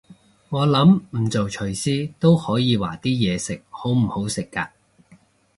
我諗唔做廚師都可以話啲嘢食好唔好食嘅